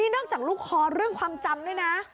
นอกจากลูกคอเรื่องความจำด้วยนะ